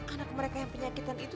anak mereka yang penyakitan itu